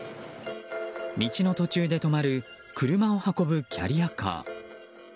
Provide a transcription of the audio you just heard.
道の途中で止まる車を運ぶキャリアカー。